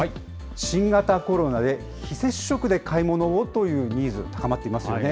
新型コロナで非接触で買い物をというニーズ、高まっていますよね。